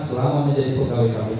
selama menjadi pegawai kpk